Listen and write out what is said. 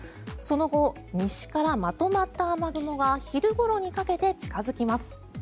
その後、西からまとまった雨雲が昼ごろにかけて近づきます。